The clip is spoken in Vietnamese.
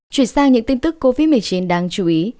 chuyển sang những tin tức covid một mươi chín đáng chú ý